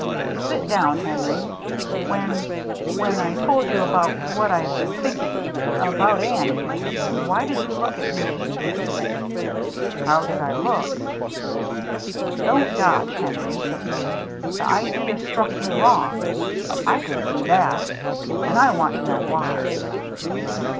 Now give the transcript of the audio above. "Sit down, Henry. When — when I told you about what I have been thinking — about Annie — why did you look at me as you did? " "How did Hook?" "Don't dodge, Henry. The idea struck you wrong. I could see that, and I want to know why."